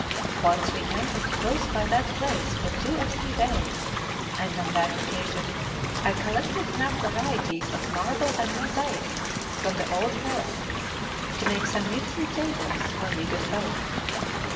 Once we anchored close by that place for two or three days, and on that occasion I collected enough varieties of marble and mosaic from the old palaces to make some beautiful tables when we got home.